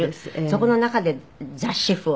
そこの中で雑使婦を？